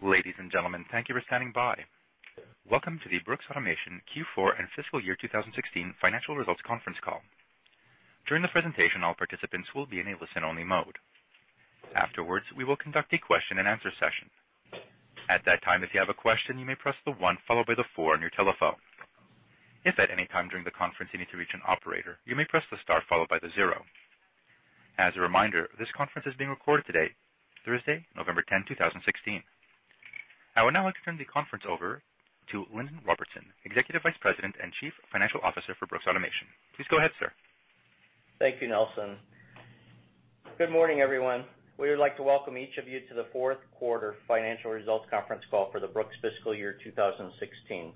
Ladies and gentlemen, thank you for standing by. Welcome to the Brooks Automation Q4 and fiscal year 2016 financial results conference call. During the presentation, all participants will be in a listen-only mode. Afterwards, we will conduct a question and answer session. At that time, if you have a question, you may press the one followed by the four on your telephone. If at any time during the conference you need to reach an operator, you may press the star followed by the zero. As a reminder, this conference is being recorded today, Thursday, November 10, 2016. I would now like to turn the conference over to Lindon Robertson, Executive Vice President and Chief Financial Officer for Brooks Automation. Please go ahead, sir. Thank you, Nelson. Good morning, everyone. We would like to welcome each of you to the fourth quarter financial results conference call for the Brooks fiscal year 2016.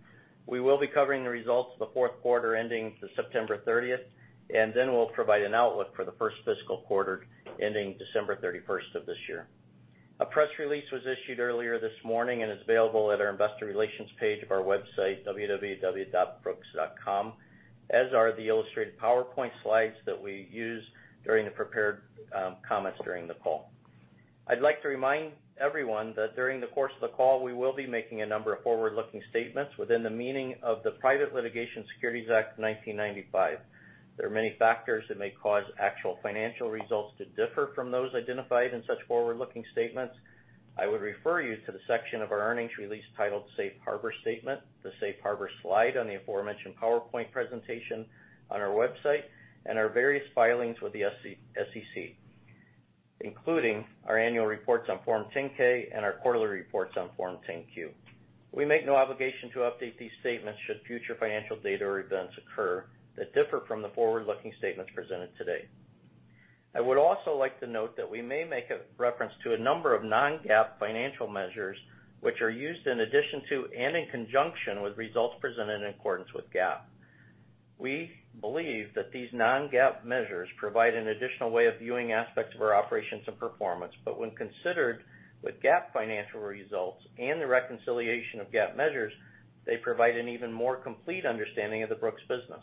We will be covering the results of the fourth quarter ending September 30th. Then we'll provide an outlook for the first fiscal quarter ending December 31st of this year. A press release was issued earlier this morning and is available at our investor relations page of our website, www.brooks.com, as are the illustrated PowerPoint slides that we use during the prepared comments during the call. I'd like to remind everyone that during the course of the call, we will be making a number of forward-looking statements within the meaning of the Private Securities Litigation Reform Act of 1995. There are many factors that may cause actual financial results to differ from those identified in such forward-looking statements. I would refer you to the section of our earnings release titled Safe Harbor Statement, the Safe Harbor slide on the aforementioned PowerPoint presentation on our website, and our various filings with the SEC, including our annual reports on Form 10-K and our quarterly reports on Form 10-Q. We make no obligation to update these statements should future financial data or events occur that differ from the forward-looking statements presented today. I would also like to note that we may make a reference to a number of non-GAAP financial measures which are used in addition to, and in conjunction with results presented in accordance with GAAP. We believe that these non-GAAP measures provide an additional way of viewing aspects of our operations and performance. When considered with GAAP financial results and the reconciliation of GAAP measures, they provide an even more complete understanding of the Brooks business.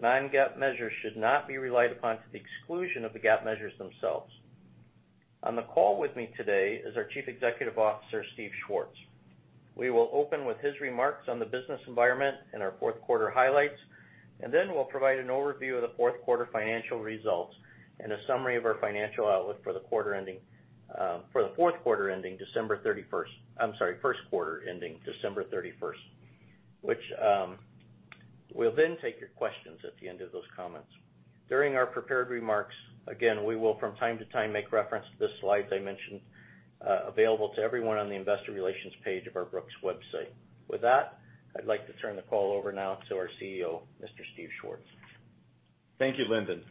Non-GAAP measures should not be relied upon to the exclusion of the GAAP measures themselves. On the call with me today is our Chief Executive Officer, Steve Schwartz. We will open with his remarks on the business environment and our fourth quarter highlights. Then we'll provide an overview of the fourth quarter financial results and a summary of our financial outlook for the fourth quarter ending December 31st. I'm sorry, first quarter ending December 31st. We'll then take your questions at the end of those comments. During our prepared remarks, again, we will from time to time, make reference to the slides I mentioned, available to everyone on the investor relations page of our Brooks website. With that, I'd like to turn the call over now to our CEO, Mr. Steve Schwartz. Thank you, Lindon.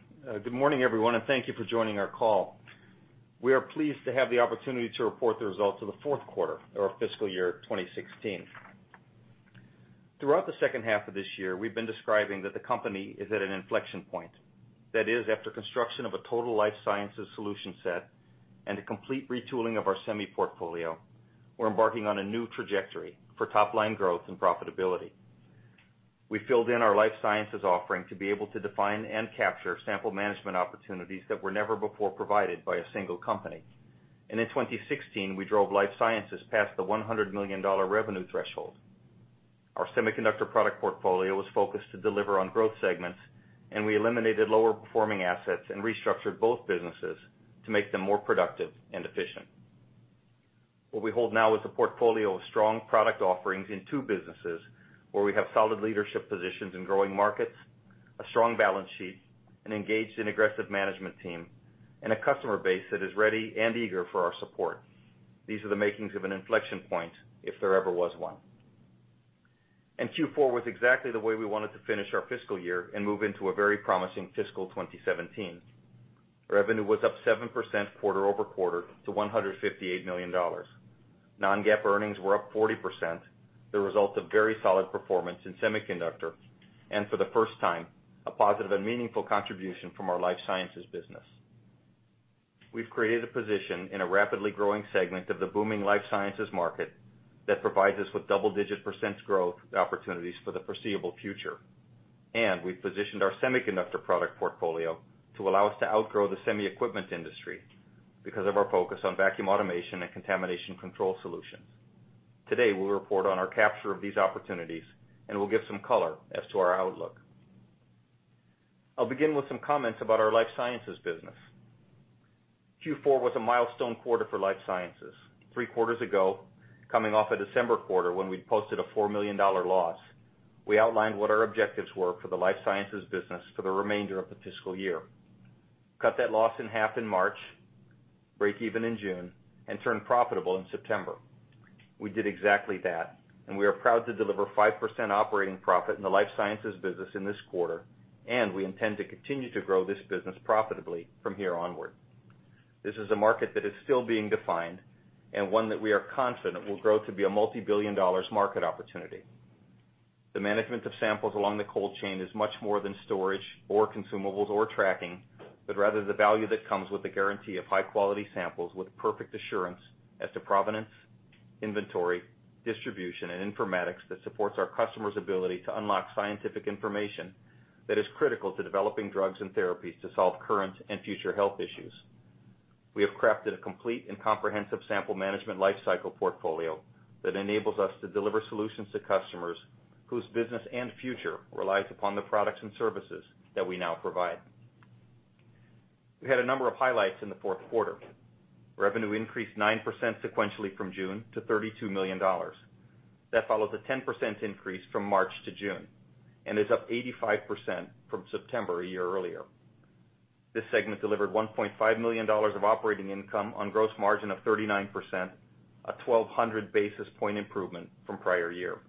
Good morning, everyone, thank you for joining our call. We are pleased to have the opportunity to report the results of the fourth quarter of our fiscal year 2016. Throughout the second half of this year, we've been describing that the company is at an inflection point. That is, after construction of a total life sciences solution set and a complete retooling of our semi portfolio, we're embarking on a new trajectory for top-line growth and profitability. We filled in our life sciences offering to be able to define and capture sample management opportunities that were never before provided by a single company. In 2016, we drove life sciences past the $100 million revenue threshold. Our semiconductor product portfolio was focused to deliver on growth segments, we eliminated lower performing assets and restructured both businesses to make them more productive and efficient. What we hold now is a portfolio of strong product offerings in two businesses, where we have solid leadership positions in growing markets, a strong balance sheet, an engaged and aggressive management team, a customer base that is ready and eager for our support. These are the makings of an inflection point, if there ever was one. Q4 was exactly the way we wanted to finish our fiscal year and move into a very promising fiscal 2017. Revenue was up 7% quarter-over-quarter to $158 million. Non-GAAP earnings were up 40%, the result of very solid performance in semiconductor, for the first time, a positive and meaningful contribution from our life sciences business. We've created a position in a rapidly growing segment of the booming life sciences market that provides us with double-digit % growth opportunities for the foreseeable future. We've positioned our semiconductor product portfolio to allow us to outgrow the semi equipment industry because of our focus on vacuum automation and Contamination Control Solutions. Today, we'll report on our capture of these opportunities, we'll give some color as to our outlook. I'll begin with some comments about our life sciences business. Q4 was a milestone quarter for life sciences. Three quarters ago, coming off a December quarter when we posted a $4 million loss, we outlined what our objectives were for the life sciences business for the remainder of the fiscal year. Cut that loss in half in March, break even in June, turn profitable in September. We did exactly that, we are proud to deliver 5% operating profit in the life sciences business in this quarter, we intend to continue to grow this business profitably from here onward. This is a market that is still being defined, one that we are confident will grow to be a multi-billion dollars market opportunity. The management of samples along the cold chain is much more than storage or consumables or tracking, but rather the value that comes with the guarantee of high-quality samples with perfect assurance as to provenance, inventory, distribution, and informatics that supports our customers' ability to unlock scientific information that is critical to developing drugs and therapies to solve current and future health issues. We have crafted a complete and comprehensive sample management lifecycle portfolio that enables us to deliver solutions to customers whose business and future relies upon the products and services that we now provide. We had a number of highlights in the fourth quarter. Revenue increased 9% sequentially from June to $32 million. That follows a 10% increase from March to June, and is up 85% from September a year earlier. This segment delivered $1.5 million of operating income on gross margin of 39%, a 1,200-basis point improvement from prior year.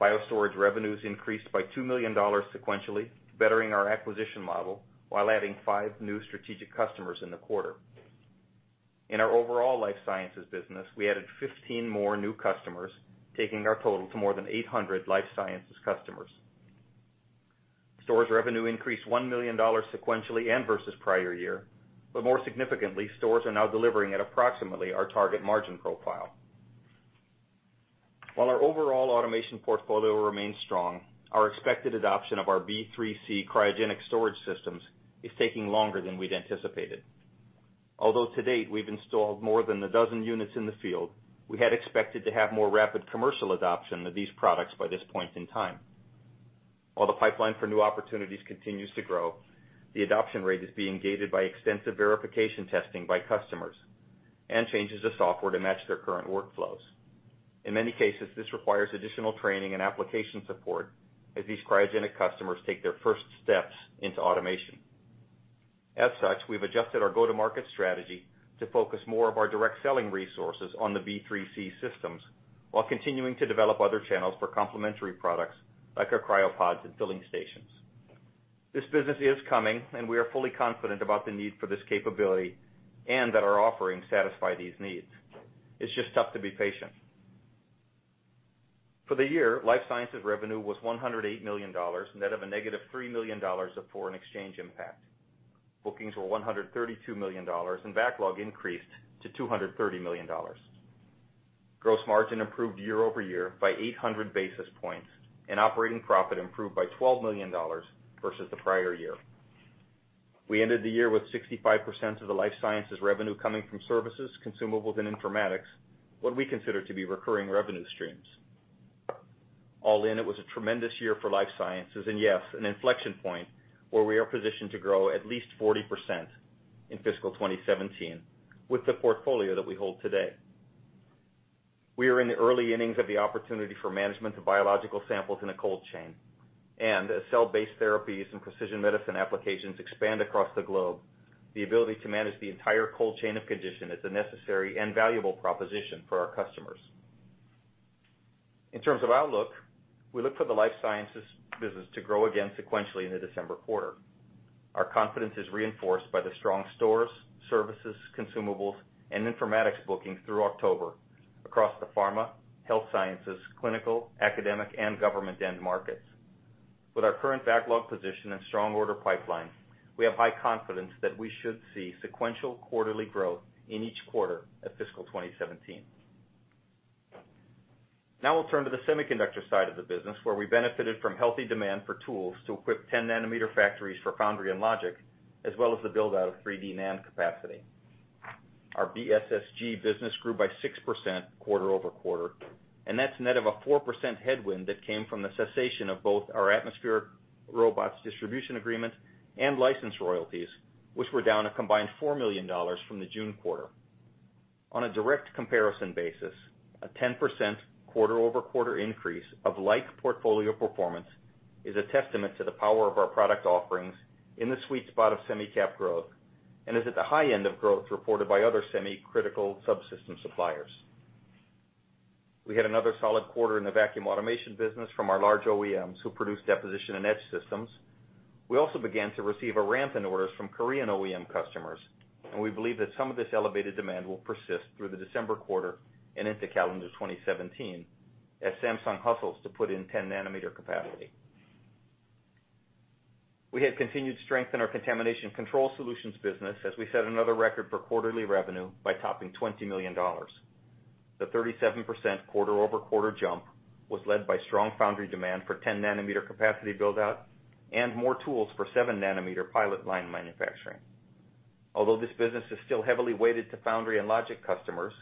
BioStorage revenues increased by $2 million sequentially, bettering our acquisition model while adding five new strategic customers in the quarter. In our overall life sciences business, we added 15 more new customers, taking our total to more than 800 life sciences customers. Stores revenue increased $1 million sequentially and versus prior year. More significantly, stores are now delivering at approximately our target margin profile. While our overall automation portfolio remains strong, our expected adoption of our B3C cryogenic storage systems is taking longer than we'd anticipated. Although to date, we've installed more than a dozen units in the field, we had expected to have more rapid commercial adoption of these products by this point in time. While the pipeline for new opportunities continues to grow, the adoption rate is being gated by extensive verification testing by customers and changes to software to match their current workflows. In many cases, this requires additional training and application support as these cryogenic customers take their first steps into automation. As such, we've adjusted our go-to-market strategy to focus more of our direct selling resources on the B3C systems while continuing to develop other channels for complementary products like our CryoPods and filling stations. This business is coming. We are fully confident about the need for this capability and that our offerings satisfy these needs. It's just tough to be patient. For the year, life sciences revenue was $108 million, net of a negative $3 million of foreign exchange impact. Bookings were $132 million. Backlog increased to $230 million. Gross margin improved year-over-year by 800 basis points. Operating profit improved by $12 million versus the prior year. We ended the year with 65% of the life sciences revenue coming from services, consumables, and informatics, what we consider to be recurring revenue streams. All in, it was a tremendous year for life sciences and yes, an inflection point where we are positioned to grow at least 40% in fiscal 2017 with the portfolio that we hold today. We are in the early innings of the opportunity for management of biological samples in a cold chain. As cell-based therapies and precision medicine applications expand across the globe, the ability to manage the entire cold chain of condition is a necessary and valuable proposition for our customers. In terms of outlook, we look for the life sciences business to grow again sequentially in the December quarter. Our confidence is reinforced by the strong stores, services, consumables, and informatics bookings through October across the pharma, health sciences, clinical, academic, and government end markets. With our current backlog position and strong order pipeline, we have high confidence that we should see sequential quarterly growth in each quarter of fiscal 2017. We'll turn to the semiconductor side of the business, where we benefited from healthy demand for tools to equip 10 nanometer factories for foundry and logic, as well as the build-out of 3D NAND capacity. Our BSSG business grew by 6% quarter-over-quarter, and that's net of a 4% headwind that came from the cessation of both our Atmospheric Robots distribution agreement and license royalties, which were down a combined $4 million from the June quarter. On a direct comparison basis, a 10% quarter-over-quarter increase of like portfolio performance is a testament to the power of our product offerings in the sweet spot of semi-cap growth and is at the high end of growth reported by other semi-critical subsystem suppliers. We had another solid quarter in the vacuum automation business from our large OEMs, who produce deposition and etch systems. We also began to receive a ramp in orders from Korean OEM customers. We believe that some of this elevated demand will persist through the December quarter and into calendar 2017, as Samsung hustles to put in 10 nanometer capacity. We had continued strength in our Contamination Control Solutions business, as we set another record for quarterly revenue by topping $20 million. The 37% quarter-over-quarter jump was led by strong foundry demand for 10 nanometer capacity build-out and more tools for seven nanometer pilot line manufacturing. Although this business is still heavily weighted to foundry and logic customers,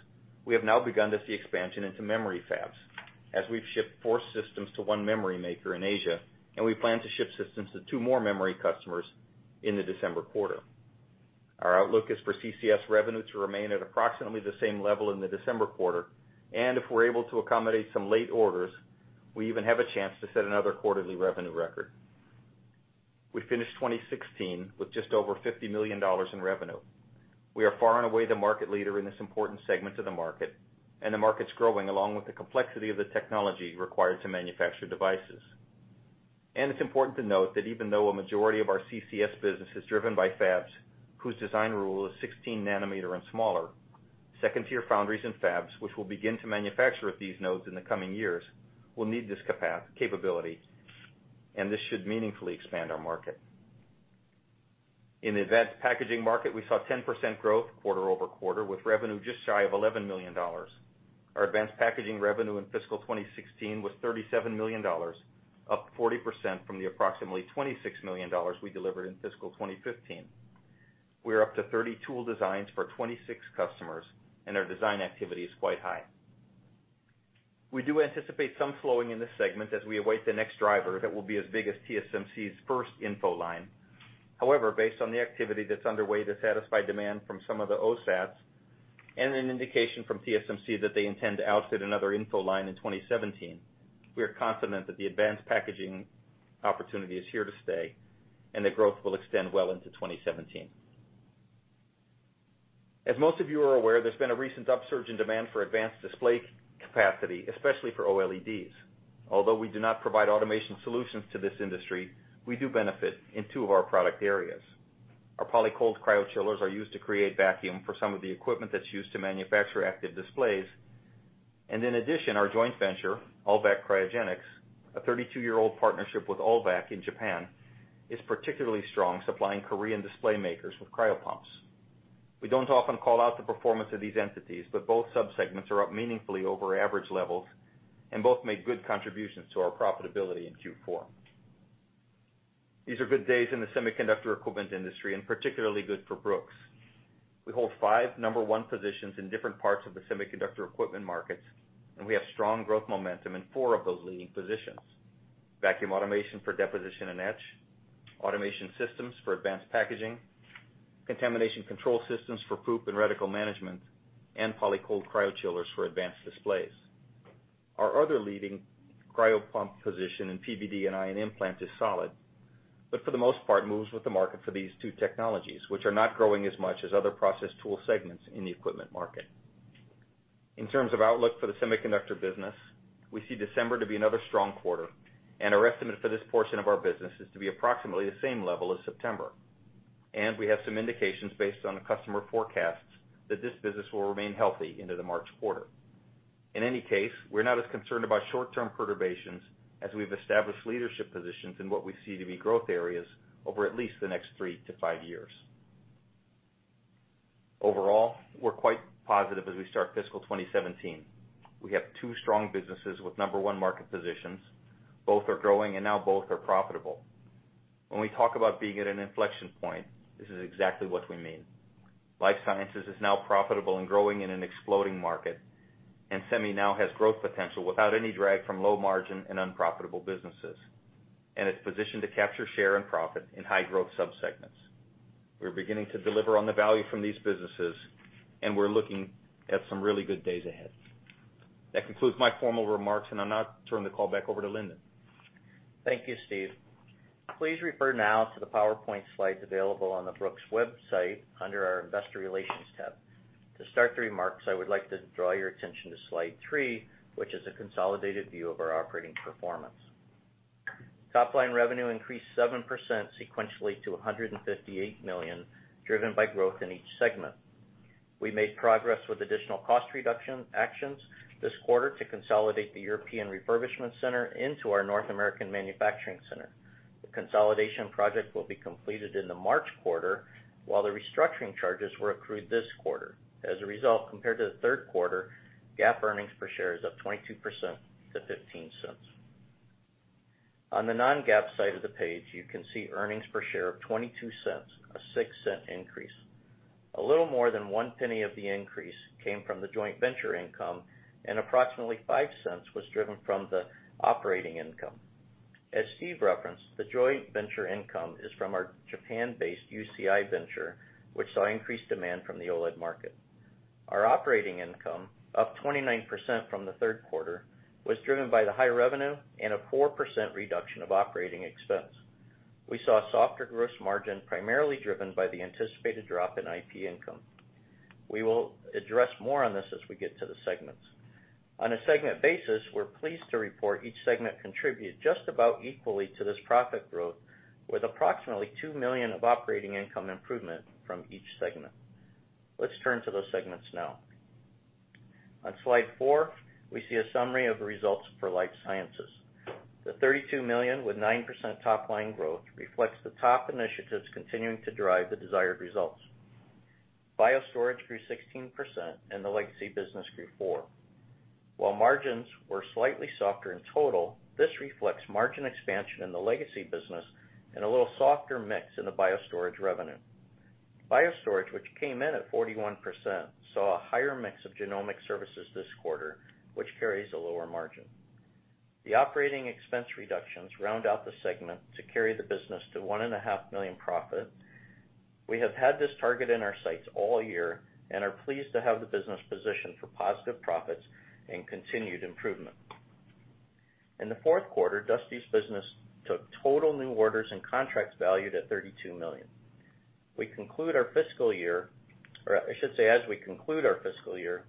we have now begun to see expansion into memory fabs, as we've shipped four systems to one memory maker in Asia, and we plan to ship systems to two more memory customers in the December quarter. Our outlook is for CCS revenue to remain at approximately the same level in the December quarter. If we're able to accommodate some late orders, we even have a chance to set another quarterly revenue record. We finished 2016 with just over $50 million in revenue. We are far and away the market leader in this important segment of the market. The market's growing along with the complexity of the technology required to manufacture devices. It's important to note that even though a majority of our CCS business is driven by fabs whose design rule is 16 nanometer and smaller, second-tier foundries and fabs, which will begin to manufacture at these nodes in the coming years, will need this capability, and this should meaningfully expand our market. In the advanced packaging market, we saw 10% growth quarter-over-quarter with revenue just shy of $11 million. Our advanced packaging revenue in fiscal 2016 was $37 million, up 40% from the approximately $26 million we delivered in fiscal 2015. We are up to 30 tool designs for 26 customers. Our design activity is quite high. We do anticipate some slowing in this segment as we await the next driver that will be as big as TSMC's first InFO line. However, based on the activity that's underway to satisfy demand from some of the OSATs, an indication from TSMC that they intend to outfit another InFO line in 2017, we are confident that the advanced packaging opportunity is here to stay and that growth will extend well into 2017. As most of you are aware, there's been a recent upsurge in demand for advanced display capacity, especially for OLEDs. Although we do not provide automation solutions to this industry, we do benefit in two of our product areas. Our Polycold cryochillers are used to create vacuum for some of the equipment that is used to manufacture active displays. In addition, our joint venture, ULVAC Cryogenics, a 32-year-old partnership with ULVAC in Japan, is particularly strong, supplying Korean display makers with cryopumps. Both subsegments are up meaningfully over average levels, and both made good contributions to our profitability in Q4. These are good days in the semiconductor equipment industry. Particularly good for Brooks. We hold five number one positions in different parts of the semiconductor equipment markets. We have strong growth momentum in four of those leading positions. Vacuum automation for deposition and etch, automation systems for advanced packaging, contamination control systems for FOUP and reticle management, Polycold cryochillers for advanced displays. Our other leading cryopump position in PVD and ion implant is solid, but for the most part, moves with the market for these two technologies, which are not growing as much as other process tool segments in the equipment market. In terms of outlook for the semiconductor business, we see December to be another strong quarter. Our estimate for this portion of our business is to be approximately the same level as September. We have some indications based on the customer forecasts that this business will remain healthy into the March quarter. In any case, we are not as concerned about short-term perturbations as we have established leadership positions in what we see to be growth areas over at least the next three to five years. Overall, we are quite positive as we start fiscal 2017. We have two strong businesses with number one market positions. Both are growing. Now both are profitable. When we talk about being at an inflection point, this is exactly what we mean. Life sciences is now profitable and growing in an exploding market. Semi now has growth potential without any drag from low margin and unprofitable businesses. It is positioned to capture share and profit in high growth subsegments. We are beginning to deliver on the value from these businesses. We are looking at some really good days ahead. That concludes my formal remarks. I will now turn the call back over to Lindon. Thank you, Steve. Please refer now to the PowerPoint slides available on the Brooks website under our investor relations tab. To start the remarks, I would like to draw your attention to slide three, which is a consolidated view of our operating performance. Top-line revenue increased 7% sequentially to $158 million, driven by growth in each segment. We made progress with additional cost reduction actions this quarter to consolidate the European refurbishment center into our North American manufacturing center. The consolidation project will be completed in the March quarter, while the restructuring charges were accrued this quarter. As a result, compared to the third quarter, GAAP earnings per share is up 22% to $0.15. On the non-GAAP side of the page, you can see earnings per share of $0.22, a $0.06 increase. A little more than $0.01 of the increase came from the joint venture income. Approximately $0.05 was driven from the operating income. As Steve referenced, the joint venture income is from our Japan-based UCI venture, which saw increased demand from the OLED market. Our operating income, up 29% from the third quarter, was driven by the high revenue and a 4% reduction of operating expense. We saw a softer gross margin, primarily driven by the anticipated drop in IP income. We will address more on this as we get to the segments. On a segment basis, we're pleased to report each segment contributed just about equally to this profit growth, with approximately $2 million of operating income improvement from each segment. Let's turn to those segments now. On slide four, we see a summary of the results for Life Sciences. The $32 million with 9% top-line growth reflects the top initiatives continuing to drive the desired results. BioStorage grew 16%, and the legacy business grew 4%. While margins were slightly softer in total, this reflects margin expansion in the legacy business and a little softer mix in the BioStorage revenue. BioStorage, which came in at 41%, saw a higher mix of genomic services this quarter, which carries a lower margin. The operating expense reductions round out the segment to carry the business to $1.5 million profit. We have had this target in our sights all year and are pleased to have the business positioned for positive profits and continued improvement. In the fourth quarter, Dusty's business took total new orders and contracts valued at $32 million. As we conclude our fiscal year,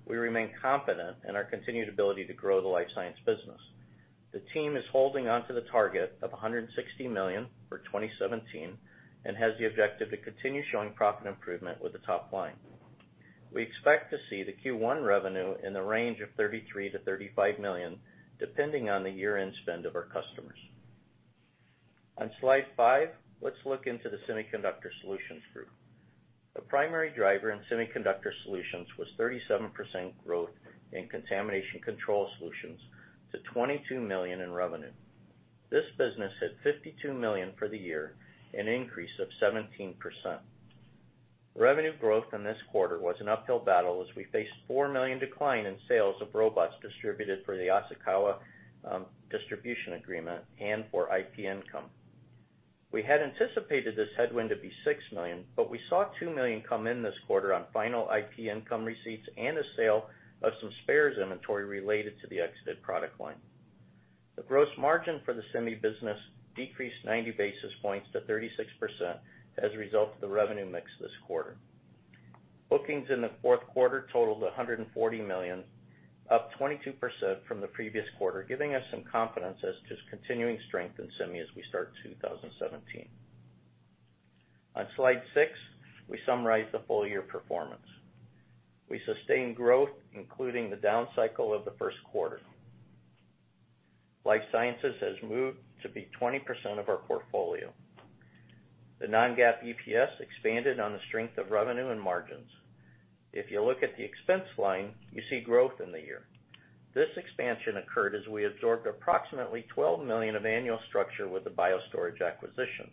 we remain confident in our continued ability to grow the Life Science business. The team is holding onto the target of $160 million for 2017 and has the objective to continue showing profit improvement with the top line. We expect to see the Q1 revenue in the range of $33 million-$35 million, depending on the year-end spend of our customers. On slide five, let's look into the Semiconductor Solutions Group. The primary driver in Semiconductor Solutions was 37% growth in Contamination Control Solutions to $22 million in revenue. This business had $52 million for the year, an increase of 17%. Revenue growth in this quarter was an uphill battle as we faced $4 million decline in sales of robots distributed for the Yaskawa distribution agreement and for IP income. We had anticipated this headwind to be $6 million. We saw $2 million come in this quarter on final IP income receipts and a sale of some spares inventory related to the exited product line. The gross margin for the semi business decreased 90 basis points to 36% as a result of the revenue mix this quarter. Bookings in the fourth quarter totaled $140 million, up 22% from the previous quarter, giving us some confidence as to continuing strength in semi as we start 2017. On slide six, we summarize the full-year performance. We sustained growth, including the down cycle of the first quarter. Life Sciences has moved to be 20% of our portfolio. The non-GAAP EPS expanded on the strength of revenue and margins. If you look at the expense line, you see growth in the year. This expansion occurred as we absorbed approximately $12 million of annual structure with the BioStorage acquisition.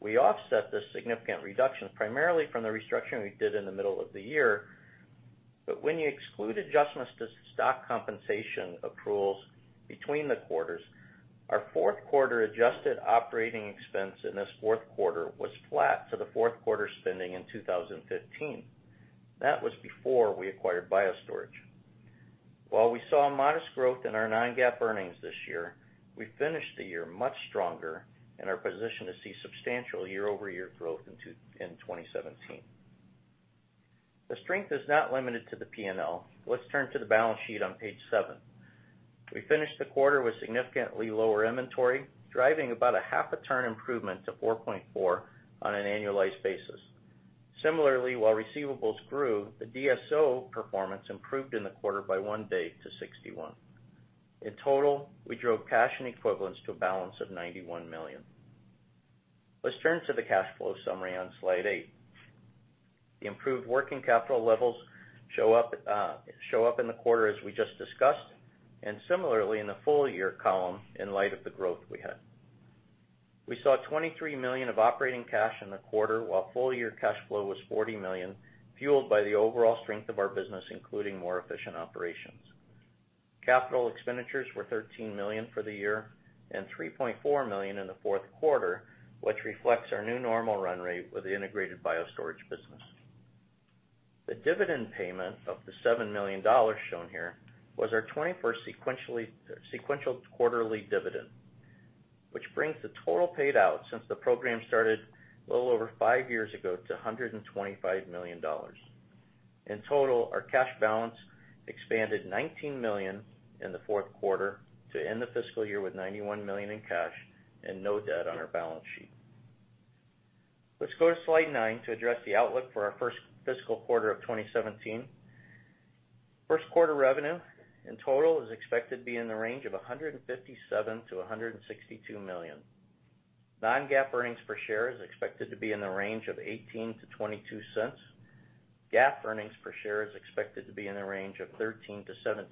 We offset this significant reduction primarily from the restructuring we did in the middle of the year. When you exclude adjustments to stock compensation accruals between the quarters, our fourth quarter adjusted operating expense in this fourth quarter was flat to the fourth quarter spending in 2015. That was before we acquired BioStorage. While we saw a modest growth in our non-GAAP earnings this year, we finished the year much stronger and are positioned to see substantial year-over-year growth in 2017. The strength is not limited to the P&L. Let's turn to the balance sheet on page seven. We finished the quarter with significantly lower inventory, driving about a half a turn improvement to 4.4 on an annualized basis. Similarly, while receivables grew, the DSO performance improved in the quarter by one day to 61. In total, we drove cash and equivalents to a balance of $91 million. Let's turn to the cash flow summary on slide eight. The improved working capital levels show up in the quarter as we just discussed, and similarly in the full-year column, in light of the growth we had. We saw $23 million of operating cash in the quarter, while full-year cash flow was $40 million, fueled by the overall strength of our business, including more efficient operations. Capital expenditures were $13 million for the year and $3.4 million in the fourth quarter, which reflects our new normal run rate with the integrated BioStorage business. The dividend payment of the $7 million shown here was our 21st sequential quarterly dividend, which brings the total paid out since the program started a little over five years ago to $125 million. In total, our cash balance expanded $19 million in the fourth quarter to end the fiscal year with $91 million in cash and no debt on our balance sheet. Let's go to slide nine to address the outlook for our first fiscal quarter of 2017. First quarter revenue in total is expected to be in the range of $157 million-$162 million. Non-GAAP earnings per share is expected to be in the range of $0.18-$0.22. GAAP earnings per share is expected to be in the range of $0.13-$0.17.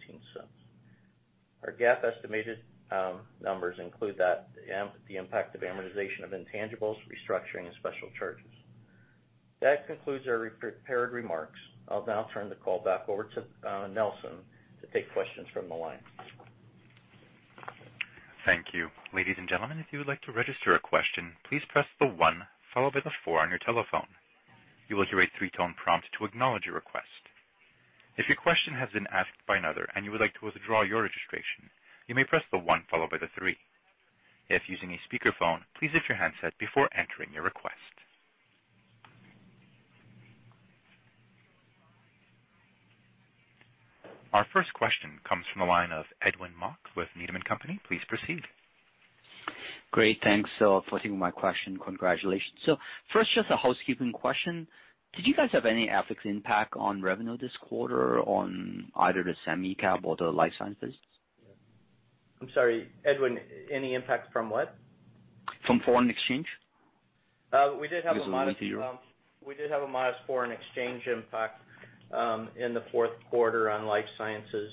Our GAAP estimated numbers include the impact of amortization of intangibles, restructuring, and special charges. That concludes our prepared remarks. I'll now turn the call back over to Nelson to take questions from the line. Thank you. Ladies and gentlemen, if you would like to register a question, please press the one followed by the four on your telephone. You will hear a three-tone prompt to acknowledge your request. If your question has been asked by another and you would like to withdraw your registration, you may press the one followed by the three. If using a speakerphone, please lift your handset before entering your request. Our first question comes from the line of Edwin Mok with Needham & Company. Please proceed. Great, thanks for taking my question. Congratulations. First, just a housekeeping question. Did you guys have any FX impact on revenue this quarter on either the semi cap or the life science business? I'm sorry, Edwin, any impact from what? From foreign exchange. We did have a minus foreign exchange impact in the fourth quarter on life sciences.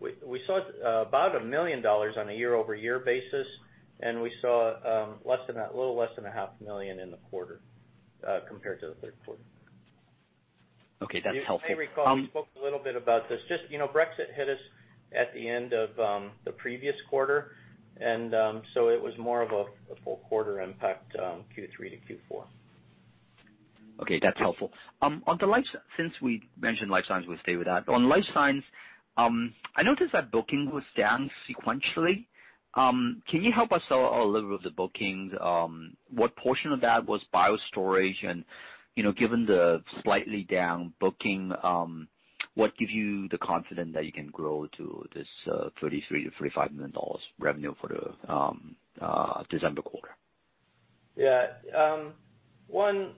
We saw about $1 million on a year-over-year basis, and we saw a little less than a half million in the quarter compared to the third quarter. Okay, that's helpful. You may recall we spoke a little bit about this. Brexit hit us at the end of the previous quarter, it was more of a full quarter impact, Q3 to Q4. Okay, that's helpful. Since we mentioned life science, we will stay with that. On life science, I noticed that booking was down sequentially. Can you help us a little with the bookings? What portion of that was BioStorage, and given the slightly down booking, what gives you the confidence that you can grow to this $33 million-$35 million revenue for the December quarter? Yeah. One,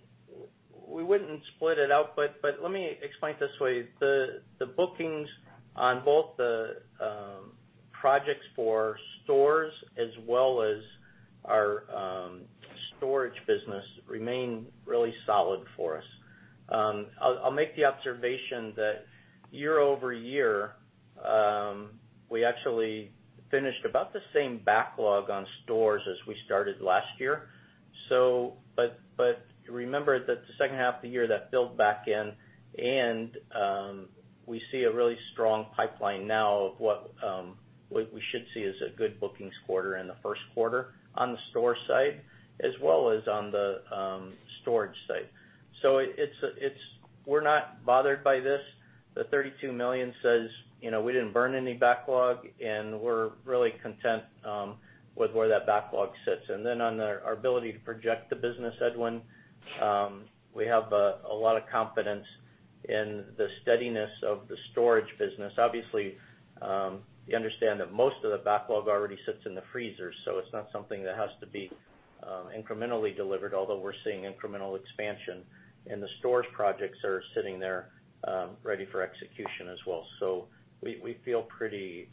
we wouldn't split it out, let me explain it this way. The bookings on both the projects for stores as well as our storage business remain really solid for us. I'll make the observation that year-over-year, we actually finished about the same backlog on stores as we started last year. Remember that the second half of the year, that build back in and we see a really strong pipeline now of what we should see as a good bookings quarter in the first quarter on the store side, as well as on the storage side. We're not bothered by this. The $32 million says we didn't burn any backlog, and we're really content with where that backlog sits. On our ability to project the business, Edwin, we have a lot of confidence in the steadiness of the storage business. Obviously, you understand that most of the backlog already sits in the freezer, it's not something that has to be incrementally delivered, although we're seeing incremental expansion, and the storage projects are sitting there, ready for execution as well. We feel pretty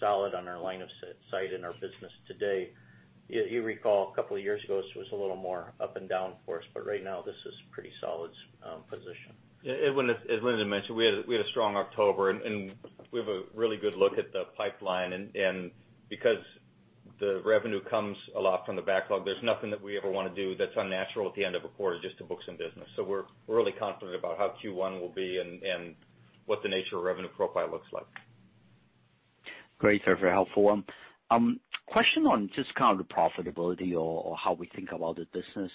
solid on our line of sight in our business today. You recall a couple of years ago, this was a little more up and down for us, right now, this is pretty solid position. Yeah, Edwin, as Lindon mentioned, we had a strong October, and we have a really good look at the pipeline. Because the revenue comes a lot from the backlog, there's nothing that we ever want to do that's unnatural at the end of a quarter just to book some business. We're really confident about how Q1 will be and what the nature of revenue profile looks like. Great. Very helpful. Question on just kind of the profitability or how we think about the business.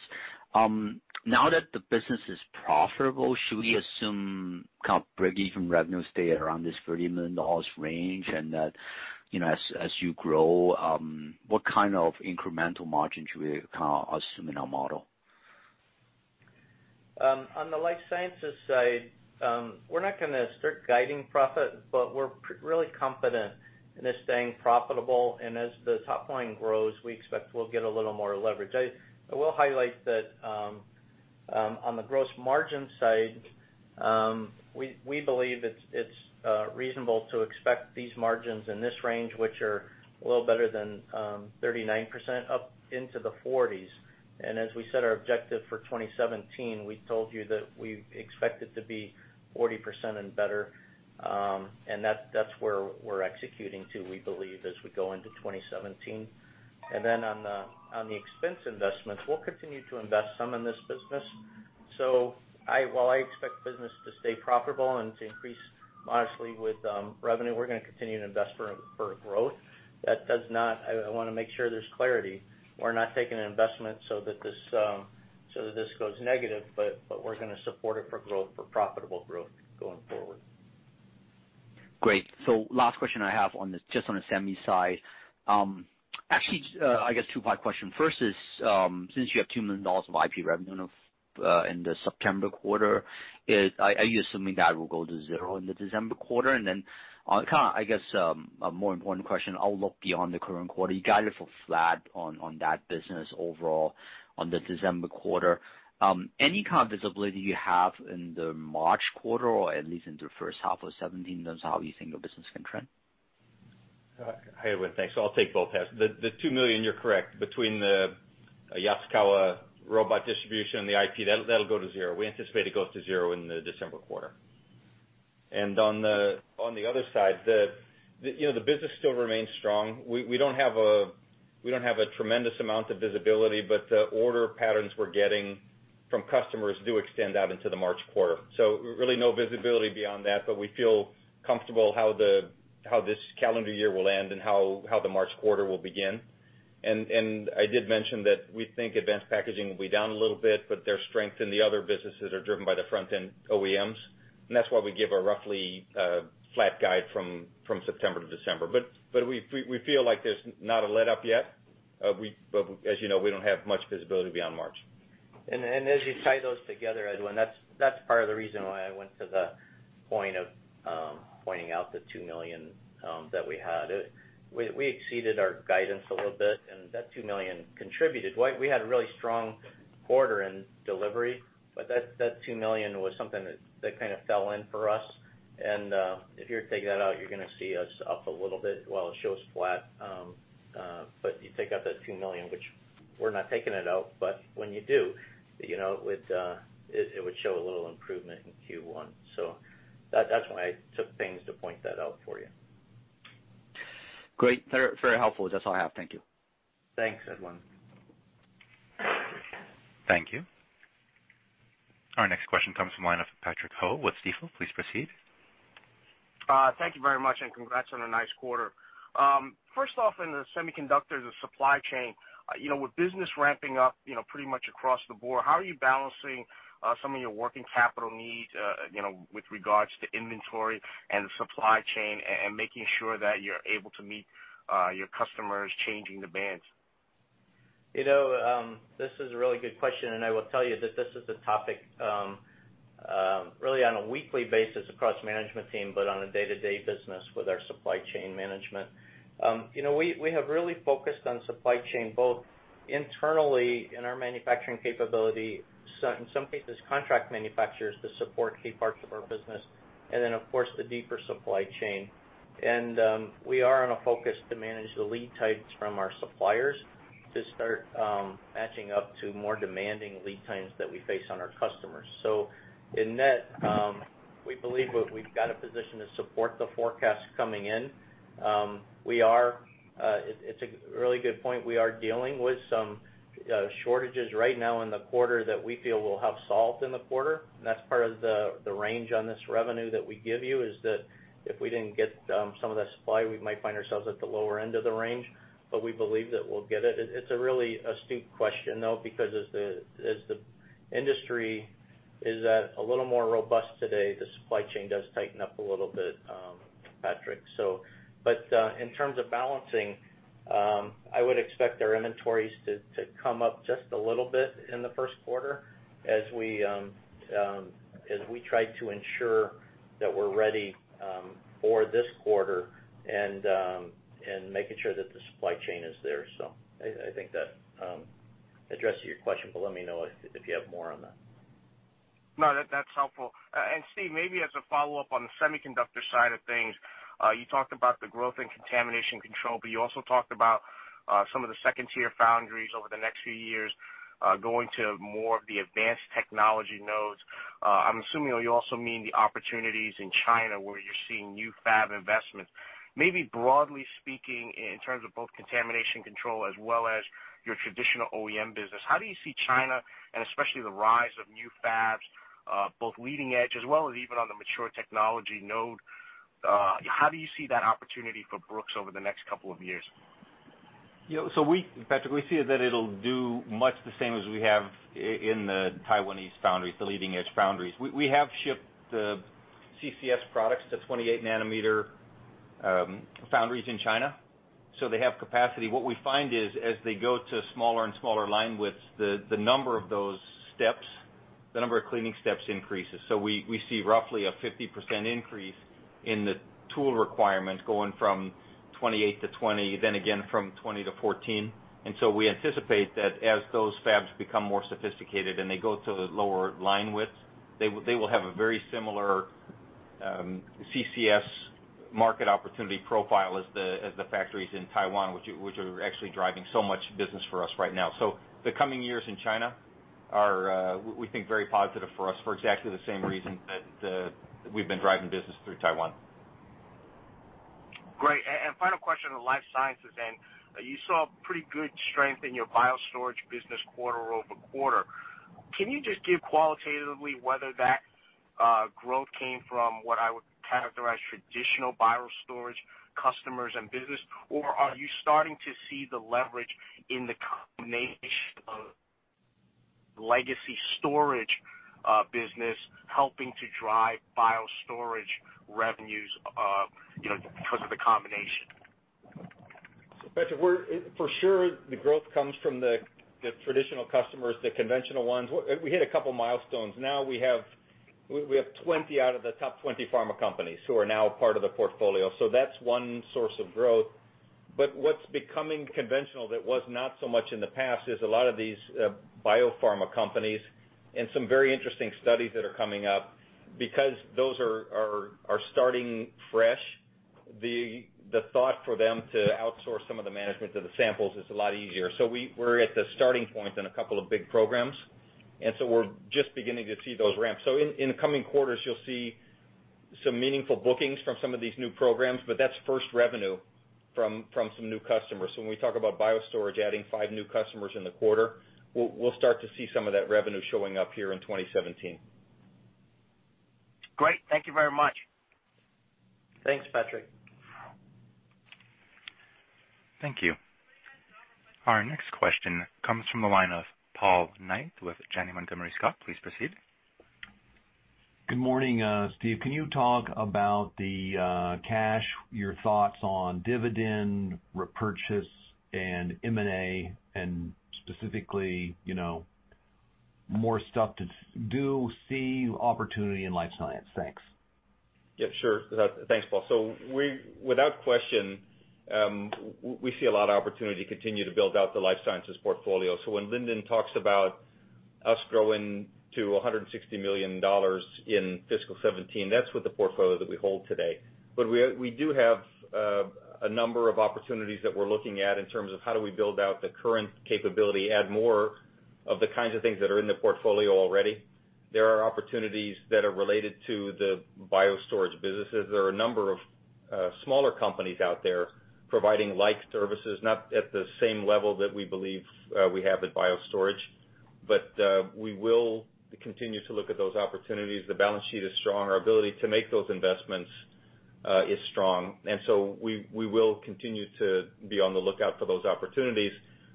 Now that the business is profitable, should we assume kind of break-even revenue stay around this $30 million range? That as you grow, what kind of incremental margin should we kind of assume in our model? On the life sciences side, we're not going to start guiding profit, but we're really confident in this staying profitable. As the top line grows, we expect we'll get a little more leverage. I will highlight that on the gross margin side, we believe it's reasonable to expect these margins in this range, which are a little better than 39% up into the 40s. As we set our objective for 2017, we told you that we expect it to be 40% and better, and that's where we're executing to, we believe, as we go into 2017. On the expense investments, we'll continue to invest some in this business. While I expect business to stay profitable and to increase modestly with revenue, we're going to continue to invest for growth. I want to make sure there's clarity. We're not taking an investment so that this goes negative, but we're going to support it for growth, for profitable growth going forward. Great. Last question I have on this, just on the semi side. Actually, I guess two-part question. First is, since you have $2 million of IP revenue in the September quarter, are you assuming that will go to zero in the December quarter? I guess a more important question, I'll look beyond the current quarter. You guided for flat on that business overall on the December quarter. Any kind of visibility you have in the March quarter or at least into first half of 2017 in terms of how you think your business can trend? Hi, Edwin. Thanks. I'll take both halves. The $2 million, you're correct. Between the Yaskawa robot distribution and the IP, that'll go to zero. We anticipate it goes to zero in the December quarter. On the other side, the business still remains strong. We don't have a tremendous amount of visibility, but the order patterns we're getting from customers do extend out into the March quarter. Really no visibility beyond that, but we feel comfortable how this calendar year will end and how the March quarter will begin. I did mention that we think advanced packaging will be down a little bit, but their strength in the other businesses are driven by the front-end OEMs, and that's why we give a roughly flat guide from September to December. We feel like there's not a letup yet. As you know, we don't have much visibility beyond March. As you tie those together, Edwin, that's part of the reason why I went to the point of pointing out the $2 million that we had. We exceeded our guidance a little bit, and that $2 million contributed. We had a really strong quarter in delivery, but that $2 million was something that kind of fell in for us. If you were to take that out, you're going to see us up a little bit while it shows flat. You take out that $2 million, which we're not taking it out, but when you do, it would show a little improvement in Q1. That's why I took pains to point that out for you. Great. Very helpful. That's all I have. Thank you. Thanks, Edwin. Thank you. Our next question comes from the line of Patrick Ho with Stifel. Please proceed. Thank you very much. Congrats on a nice quarter. First off, in the semiconductors, the supply chain. With business ramping up pretty much across the board, how are you balancing some of your working capital needs with regards to inventory and the supply chain and making sure that you're able to meet your customers changing demands? This is a really good question. I will tell you that this is a topic Really on a weekly basis across management team, but on a day-to-day business with our supply chain management. We have really focused on supply chain, both internally in our manufacturing capability, in some cases, contract manufacturers to support key parts of our business. Then, of course, the deeper supply chain. We are on a focus to manage the lead times from our suppliers to start matching up to more demanding lead times that we face on our customers. In net, we believe we've got a position to support the forecast coming in. It's a really good point. We are dealing with some shortages right now in the quarter that we feel we'll have solved in the quarter, and that's part of the range on this revenue that we give you, is that if we didn't get some of that supply, we might find ourselves at the lower end of the range, but we believe that we'll get it. It's a really astute question, though, because as the industry is at a little more robust today, the supply chain does tighten up a little bit, Patrick. In terms of balancing, I would expect our inventories to come up just a little bit in the first quarter as we try to ensure that we're ready for this quarter and making sure that the supply chain is there. I think that addresses your question, but let me know if you have more on that. No, that's helpful. Steve, maybe as a follow-up on the semiconductor side of things, you talked about the growth in Contamination Control Solutions, but you also talked about some of the second-tier foundries over the next few years, going to more of the advanced technology nodes. I'm assuming you also mean the opportunities in China where you're seeing new fab investments. Maybe broadly speaking, in terms of both Contamination Control Solutions as well as your traditional OEM business, how do you see China, and especially the rise of new fabs, both leading edge as well as even on the mature technology node, how do you see that opportunity for Brooks over the next couple of years? Patrick, we see that it'll do much the same as we have in the Taiwanese foundries, the leading edge foundries. We have shipped the CCS products to 28-nanometer foundries in China, so they have capacity. What we find is, as they go to smaller and smaller line widths, the number of those steps, the number of cleaning steps increases. We see roughly a 50% increase in the tool requirements going from 28 to 20, then again from 20 to 14. We anticipate that as those fabs become more sophisticated and they go to the lower line width, they will have a very similar CCS market opportunity profile as the factories in Taiwan, which are actually driving so much business for us right now. The coming years in China are, we think, very positive for us for exactly the same reason that we've been driving business through Taiwan. Great. Final question on life sciences, and you saw pretty good strength in your BioStorage business quarter-over-quarter. Can you just give qualitatively whether that growth came from what I would characterize traditional BioStorage customers and business, or are you starting to see the leverage in the combination of legacy storage business helping to drive BioStorage revenues, because of the combination? Patrick, for sure the growth comes from the traditional customers, the conventional ones. We hit a couple of milestones. Now we have 20 out of the top 20 pharma companies who are now part of the portfolio, that's one source of growth. What's becoming conventional that was not so much in the past is a lot of these biopharma companies and some very interesting studies that are coming up, because those are starting fresh. The thought for them to outsource some of the management of the samples is a lot easier. We're at the starting point in a couple of big programs, we're just beginning to see those ramp. In the coming quarters, you'll see some meaningful bookings from some of these new programs, but that's first revenue from some new customers. When we talk about BioStorage adding five new customers in the quarter, we'll start to see some of that revenue showing up here in 2017. Great. Thank you very much. Thanks, Patrick. Thank you. Our next question comes from the line of Paul Knight with Janney Montgomery Scott. Please proceed. Good morning, Steve. Can you talk about the cash, your thoughts on dividend repurchase and M&A and specifically, more stuff to do, see opportunity in life science? Thanks. Yeah, sure. Thanks, Paul. Without question, we see a lot of opportunity to continue to build out the life sciences portfolio. When Lindon talks about us growing to $160 million in fiscal 2017, that's with the portfolio that we hold today. We do have a number of opportunities that we're looking at in terms of how do we build out the current capability, add more of the kinds of things that are in the portfolio already. There are opportunities that are related to the BioStorage businesses. There are a number of smaller companies out there providing like services, not at the same level that we believe we have at BioStorage, we will continue to look at those opportunities. The balance sheet is strong. Our ability to make those investments is strong. We will continue to be on the lookout for those opportunities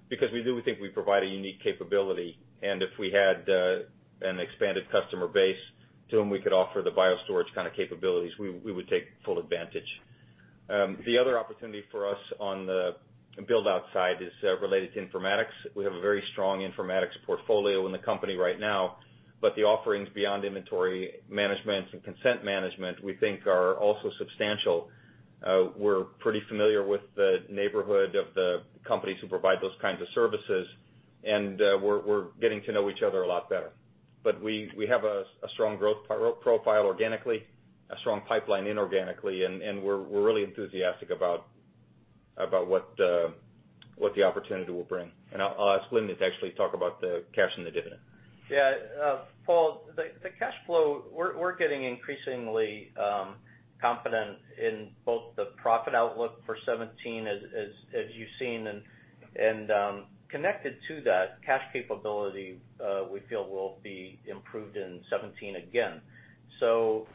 because we do think we provide a unique capability, and if we had an expanded customer base to whom we could offer the BioStorage kind of capabilities, we would take full advantage. The other opportunity for us on the build-out side is related to informatics. We have a very strong informatics portfolio in the company right now, but the offerings beyond inventory management and consent management, we think are also substantial. We're pretty familiar with the neighborhood of the companies who provide those kinds of services, and we're getting to know each other a lot better. We have a strong growth profile organically, a strong pipeline inorganically, and we're really enthusiastic about what the opportunity will bring. I'll ask Lin to actually talk about the cash and the dividend. Yeah, Paul, the cash flow, we're getting increasingly confident in both the profit outlook for 2017 as you've seen, and connected to that, cash capability we feel will be improved in 2017 again.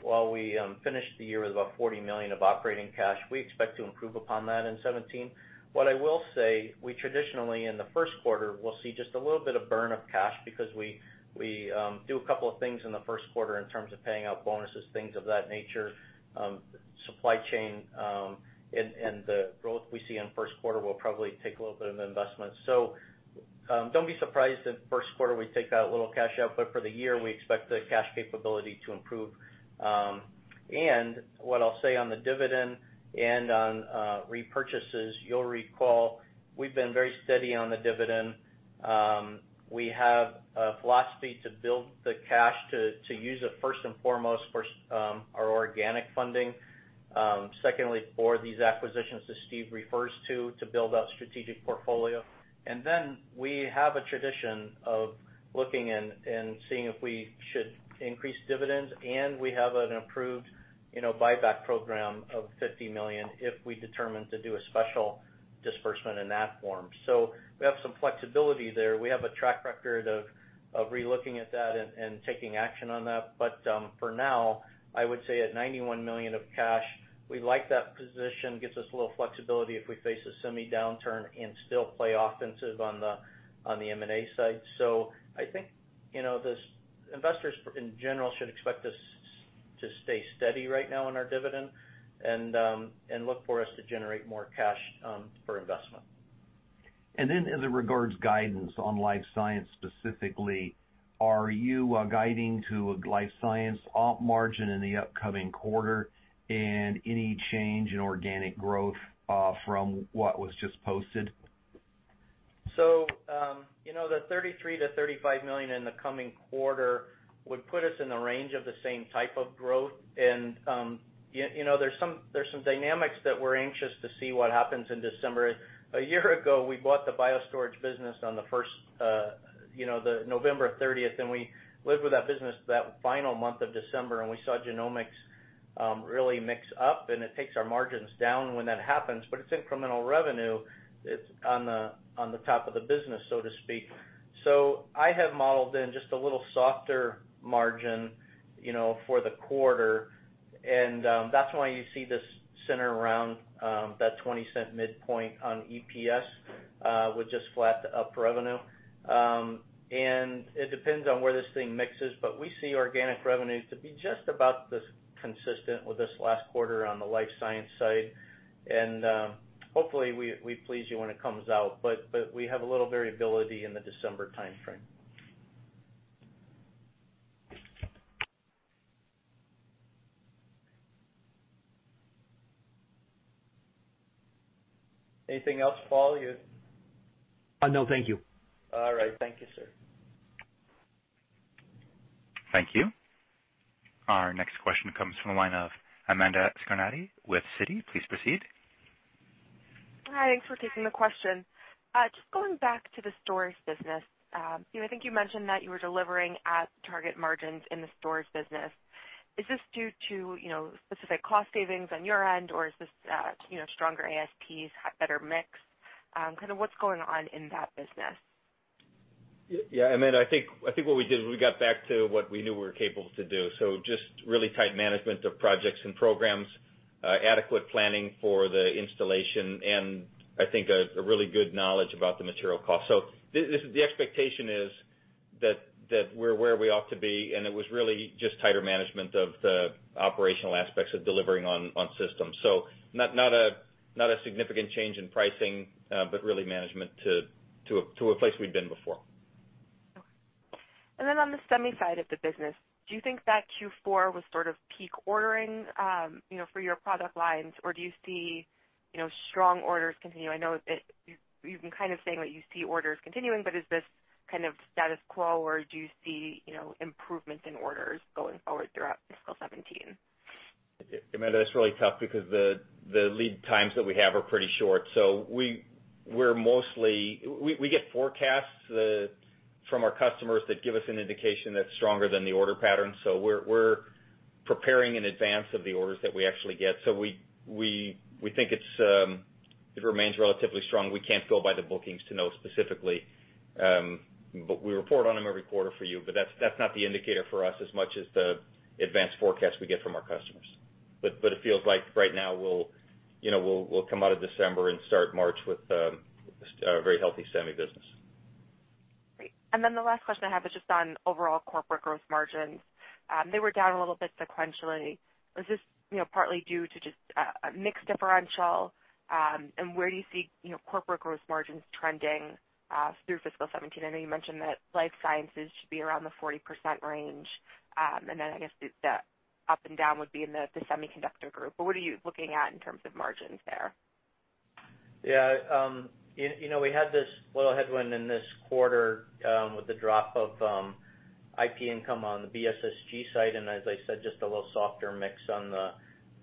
While we finished the year with about $40 million of operating cash, we expect to improve upon that in 2017. What I will say, we traditionally, in the first quarter, will see just a little bit of burn of cash because we do a couple of things in the first quarter in terms of paying out bonuses, things of that nature. Supply chain and the growth we see in the first quarter will probably take a little bit of an investment. Don't be surprised if the first quarter we take that little cash out, but for the year, we expect the cash capability to improve. What I'll say on the dividend and on repurchases, you'll recall we've been very steady on the dividend. We have a philosophy to build the cash to use it first and foremost for our organic funding. Secondly, for these acquisitions that Steve refers to build out strategic portfolio. We have a tradition of looking and seeing if we should increase dividends, and we have an approved buyback program of $50 million if we determine to do a special disbursement in that form. We have some flexibility there. We have a track record of relooking at that and taking action on that. For now, I would say at $91 million of cash, we like that position. Gives us a little flexibility if we face a semi downturn and still play offensive on the M&A side. I think investors in general should expect us to stay steady right now on our dividend and look for us to generate more cash for investment. As it regards guidance on life science specifically, are you guiding to a life science op margin in the upcoming quarter and any change in organic growth from what was just posted? The $33 million-$35 million in the coming quarter would put us in the range of the same type of growth. There's some dynamics that we're anxious to see what happens in December. A year ago, we bought the BioStorage business on November 30th, and we lived with that business that final month of December, and we saw genomics really mix up, and it takes our margins down when that happens, but it's incremental revenue. It's on the top of the business, so to speak. I have modeled in just a little softer margin for the quarter, and that's why you see this center around that $0.20 midpoint on EPS, with just flat to up revenue. It depends on where this thing mixes, but we see organic revenues to be just about this consistent with this last quarter on the life science side. Hopefully we please you when it comes out, but we have a little variability in the December timeframe. Anything else, Paul? No, thank you. All right. Thank you, sir. Thank you. Our next question comes from the line of Amanda Scarnati with Citi. Please proceed. Hi. Thanks for taking the question. Just going back to the storage business. I think you mentioned that you were delivering at target margins in the storage business. Is this due to specific cost savings on your end, or is this stronger ASPs, better mix? Kind of what's going on in that business? Yeah, Amanda, I think what we did is we got back to what we knew we were capable to do. Just really tight management of projects and programs, adequate planning for the installation, and I think a really good knowledge about the material cost. The expectation is that we're where we ought to be, and it was really just tighter management of the operational aspects of delivering on systems. Not a significant change in pricing, but really management to a place we'd been before. Okay. On the semi side of the business, do you think that Q4 was sort of peak ordering for your product lines, or do you see strong orders continue? I know you've been kind of saying that you see orders continuing, but is this kind of status quo, or do you see improvements in orders going forward throughout fiscal 2017? Amanda, that's really tough because the lead times that we have are pretty short. We get forecasts from our customers that give us an indication that's stronger than the order pattern, we're preparing in advance of the orders that we actually get. We think it remains relatively strong. We can't go by the bookings to know specifically. We report on them every quarter for you, but that's not the indicator for us as much as the advanced forecast we get from our customers. It feels like right now, we'll come out of December and start March with a very healthy semi business. The last question I have is just on overall corporate growth margins. They were down a little bit sequentially. Was this partly due to just a mix differential? Where do you see corporate growth margins trending through fiscal 2017? I know you mentioned that life sciences should be around the 40% range, then I guess the up and down would be in the semiconductor group, but what are you looking at in terms of margins there? Yeah. We had this little headwind in this quarter with the drop of IP income on the BSSG side, as I said, just a little softer mix on the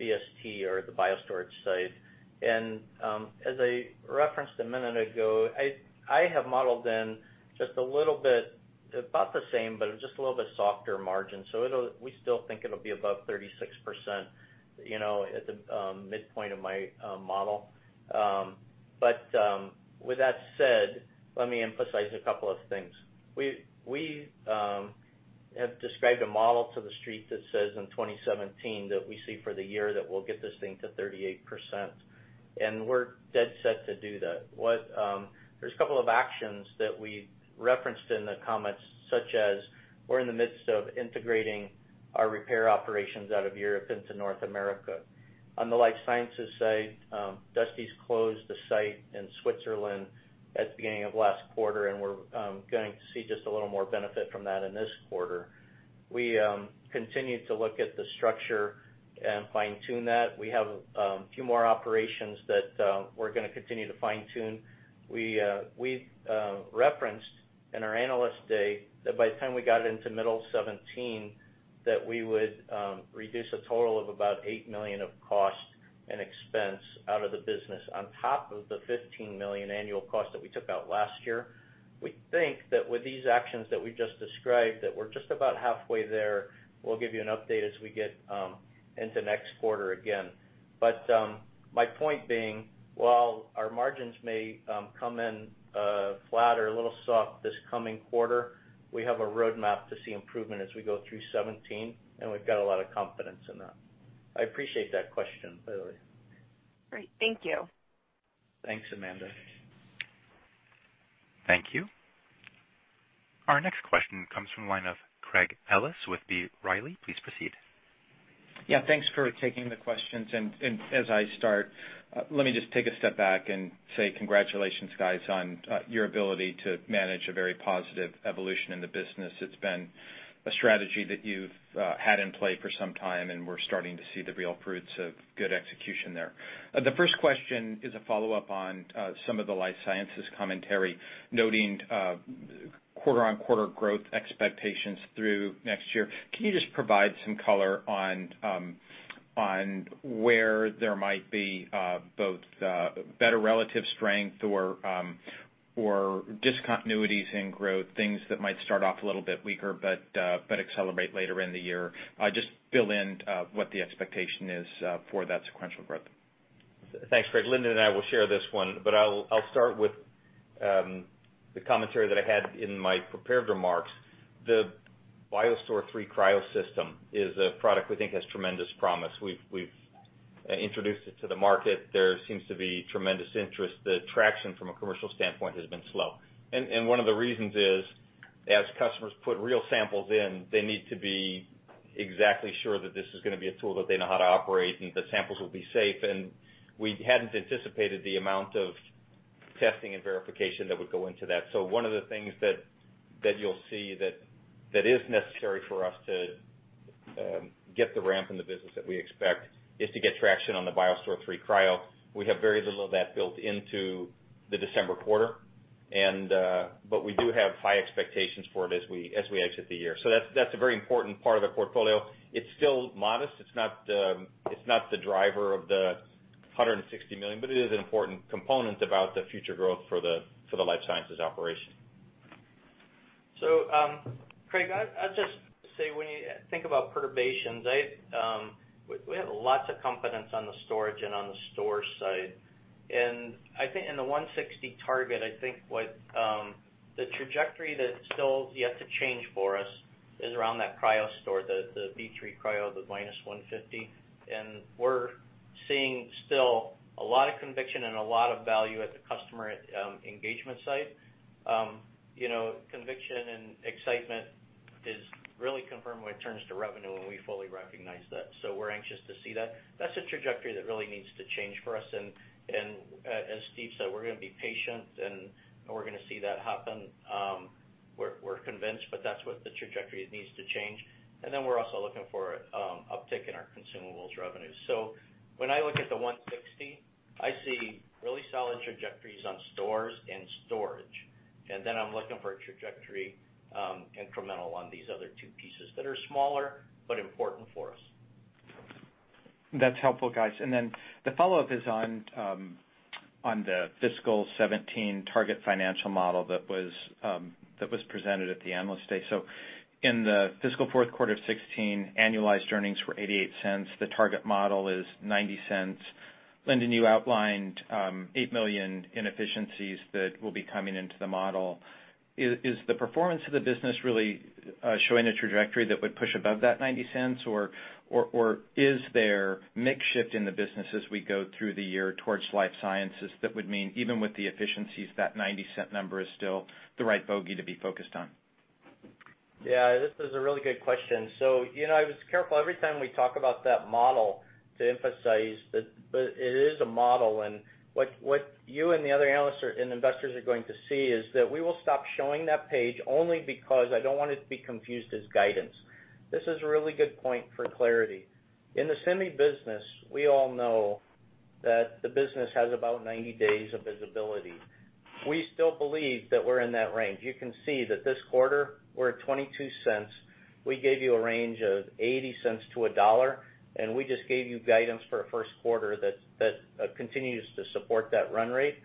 BST or the BioStorage side. As I referenced a minute ago, I have modeled in just a little bit, about the same, but just a little bit softer margin. We still think it'll be above 36% at the midpoint of my model. With that said, let me emphasize a couple of things. We have described a model to the street that says in 2017 that we see for the year that we'll get this thing to 38%, we're dead set to do that. There's a couple of actions that we referenced in the comments, such as we're in the midst of integrating our repair operations out of Europe into North America. On the life sciences side, Dusty's closed the site in Switzerland at the beginning of last quarter, and we're going to see just a little more benefit from that in this quarter. We continue to look at the structure and fine-tune that. We have a few more operations that we're going to continue to fine-tune. We referenced in our Analyst Day that by the time we got into middle 2017, that we would reduce a total of about $8 million of cost and expense out of the business on top of the $15 million annual cost that we took out last year. We think that with these actions that we just described, that we're just about halfway there. We'll give you an update as we get into next quarter again. My point being, while our margins may come in flat or a little soft this coming quarter, we have a roadmap to see improvement as we go through 2017, and we've got a lot of confidence in that. I appreciate that question, Bailey. Great. Thank you. Thanks, Amanda. Thank you. Our next question comes from the line of Craig Ellis with B. Riley. Please proceed. Yeah. Thanks for taking the questions. As I start, let me just take a step back and say congratulations, guys, on your ability to manage a very positive evolution in the business. It's been a strategy that you've had in play for some time, and we're starting to see the real fruits of good execution there. The first question is a follow-up on some of the life sciences commentary, noting quarter-on-quarter growth expectations through next year. Can you just provide some color on where there might be both better relative strength or discontinuities in growth, things that might start off a little bit weaker but accelerate later in the year? Just fill in what the expectation is for that sequential growth. Thanks, Craig. Linden and I will share this one. I'll start with the commentary that I had in my prepared remarks. The BioStore III Cryo system is a product we think has tremendous promise. We've introduced it to the market. There seems to be tremendous interest. The traction from a commercial standpoint has been slow. One of the reasons is as customers put real samples in, they need to be exactly sure that this is going to be a tool that they know how to operate, and the samples will be safe, and we hadn't anticipated the amount of testing and verification that would go into that. One of the things that you'll see that is necessary for us to get the ramp in the business that we expect is to get traction on the BioStore III Cryo. We have very little of that built into the December quarter. We do have high expectations for it as we exit the year. That's a very important part of the portfolio. It's still modest. It's not the driver of the $160 million, but it is an important component about the future growth for the life sciences operation. Craig, I'd just say when you think about perturbations, we have lots of confidence on the storage and on the store side. I think in the $160 target, I think what the trajectory that still is yet to change for us is around that cryo store, the B3 cryo, the minus 150, and we're seeing still a lot of conviction and a lot of value at the customer engagement site. Conviction and excitement is really confirmed when it turns to revenue, and we fully recognize that. We're anxious to see that. That's a trajectory that really needs to change for us, and as Steve said, we're going to be patient, and we're going to see that happen. We're convinced, but that's what the trajectory needs to change. Then we're also looking for uptick in our consumables revenues. When I look at the $160, I see really solid trajectories on stores and storage. Then I'm looking for a trajectory incremental on these other two pieces that are smaller but important for us. That's helpful, guys. Then the follow-up is on the fiscal 2017 target financial model that was presented at the Analyst Day. In the fiscal fourth quarter of 2016, annualized earnings were $0.88. The target model is $0.90. Linden, you outlined $8 million in efficiencies that will be coming into the model. Is the performance of the business really showing a trajectory that would push above that $0.90, or is there mix shift in the business as we go through the year towards life sciences that would mean even with the efficiencies, that $0.90 number is still the right bogey to be focused on? Yeah, this is a really good question. I was careful every time we talk about that model to emphasize that it is a model. What you and the other analysts are, and investors are going to see is that we will stop showing that page only because I don't want it to be confused as guidance. This is a really good point for clarity. In the semi business, we all know that the business has about 90 days of visibility. We still believe that we're in that range. You can see that this quarter we're at $0.22. We gave you a range of $0.80 to $1.00, and we just gave you guidance for a first quarter that continues to support that run rate.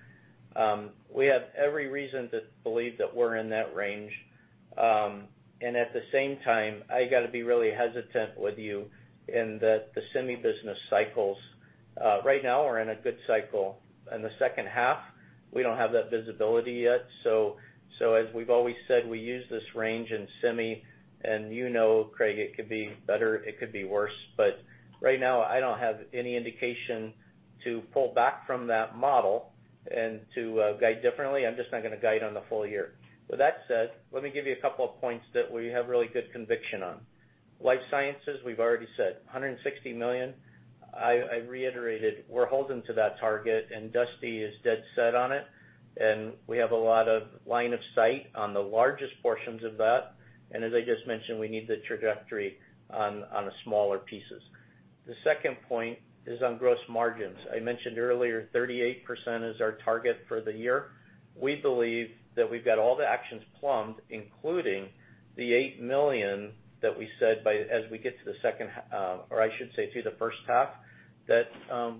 We have every reason to believe that we're in that range. At the same time, I got to be really hesitant with you in the semi business cycles. Right now we're in a good cycle. In the second half, we don't have that visibility yet. As we've always said, we use this range in semi and you know, Craig, it could be better, it could be worse, but right now I don't have any indication to pull back from that model and to guide differently. I'm just not going to guide on the full year. With that said, let me give you a couple of points that we have really good conviction on. Life Sciences, we've already said, $160 million. I reiterated we're holding to that target. Dusty is dead set on it. We have a lot of line of sight on the largest portions of that. As I just mentioned, we need the trajectory on the smaller pieces. The second point is on gross margins. I mentioned earlier, 38% is our target for the year. We believe that we've got all the actions plumbed, including the $8 million that we said as we get to the second half, or I should say to the first half, that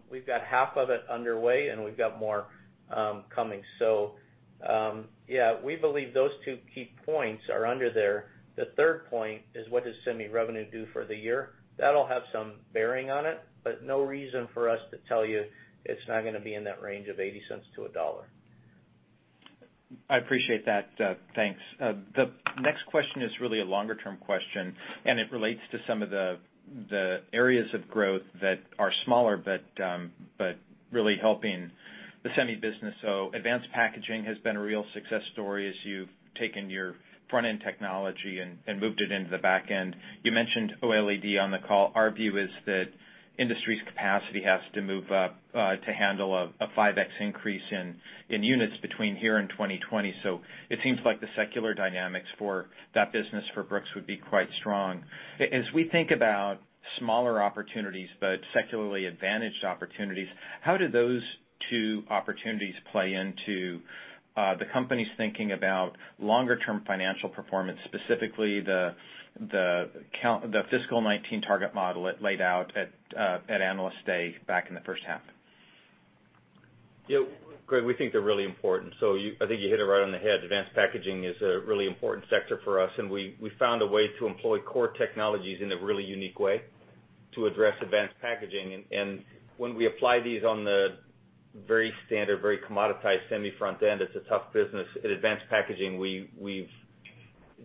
we've got half of it underway and we've got more coming. Yeah, we believe those two key points are under there. The third point is what does semi-revenue do for the year. That'll have some bearing on it. No reason for us to tell you it's not going to be in that range of $0.80-$1.00. I appreciate that. Thanks. The next question is really a longer-term question. It relates to some of the areas of growth that are smaller, but really helping the semi business. Advanced packaging has been a real success story as you've taken your front-end technology and moved it into the back end. You mentioned OLED on the call. Our view is that industry's capacity has to move up to handle a 5x increase in units between here and 2020. It seems like the secular dynamics for that business for Brooks would be quite strong. As we think about smaller opportunities, but secularly advantaged opportunities, how do those two opportunities play into the company's thinking about longer term financial performance, specifically the fiscal 2019 target model it laid out at Analyst Day back in the first half? Yeah. Craig, we think they're really important. I think you hit it right on the head. Advanced packaging is a really important sector for us, and we found a way to employ core technologies in a really unique way to address advanced packaging. When we apply these on the very standard, very commoditized semi front end, it's a tough business. In advanced packaging, we've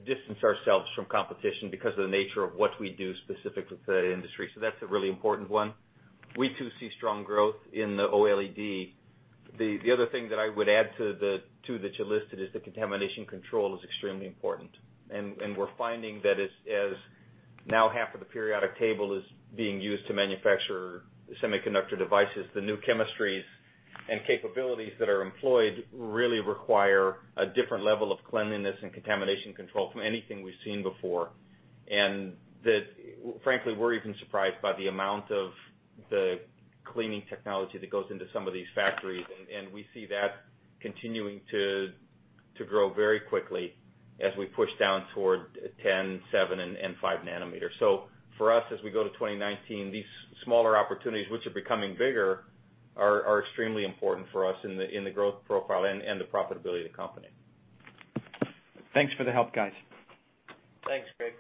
distanced ourselves from competition because of the nature of what we do specifically for that industry. That's a really important one. We, too, see strong growth in the OLED. The other thing that I would add to the two that you listed is that contamination control is extremely important, and we're finding that as now half of the periodic table is being used to manufacture semiconductor devices, the new chemistries and capabilities that are employed really require a different level of cleanliness and contamination control from anything we've seen before. That, frankly, we're even surprised by the amount of the cleaning technology that goes into some of these factories, and we see that continuing to grow very quickly as we push down toward 10, seven, and five nanometers. For us, as we go to 2019, these smaller opportunities, which are becoming bigger, are extremely important for us in the growth profile and the profitability of the company. Thanks for the help, guys. Thanks, Craig.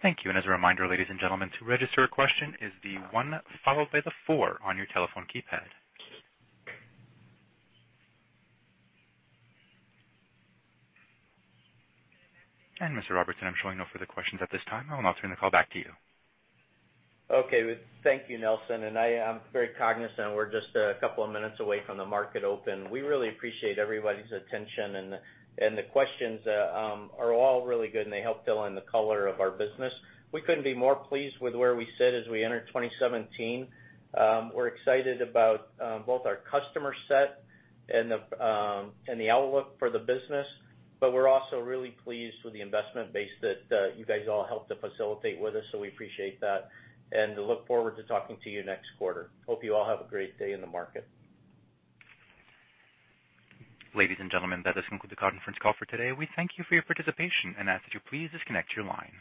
Thank you. As a reminder, ladies and gentlemen, to register a question is the one followed by the four on your telephone keypad. Mr. Robertson, I'm showing no further questions at this time. I'll turn the call back to you. Okay. Thank you, Nelson. I'm very cognizant we're just a couple of minutes away from the market open. We really appreciate everybody's attention, the questions are all really good, they help fill in the color of our business. We couldn't be more pleased with where we sit as we enter 2017. We're excited about both our customer set and the outlook for the business. We're also really pleased with the investment base that you guys all helped to facilitate with us, so we appreciate that and look forward to talking to you next quarter. Hope you all have a great day in the market. Ladies and gentlemen, that does conclude the conference call for today. We thank you for your participation and ask that you please disconnect your line.